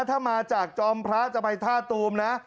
ถ้ามาจากจอมพระจะไปท่าตูมนะ